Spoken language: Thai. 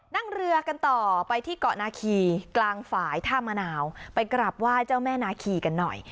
นั่งเรือกันต่อไปที่เกาะนาคีกลางฝ่ายท่ามะนาวไปกราบไหว้เจ้าแม่นาคีกันหน่อย